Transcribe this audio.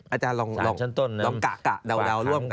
อาจารย์ลองกะเดาร่วมกัน